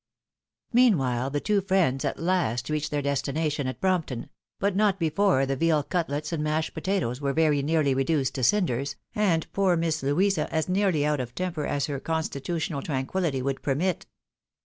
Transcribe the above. MEAirwHiLE the two Mends at last reached their destination at Brompton ; but not before the veal cutlets and mashed pota toes were very nearly reduced to cinders, and poor Miss Louisa as nearly out of temper as her constitutional tranquillity would permit.